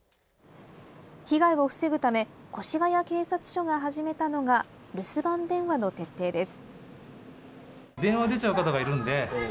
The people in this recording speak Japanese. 被害を防ぐため越谷警察署が始めたのが留守番電話の徹底です。